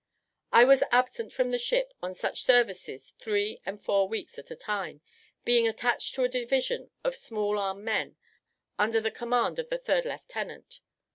I was absent from the ship on such services three and four weeks at a time, being attached to a division of small arm men under the command of the third lieutenant.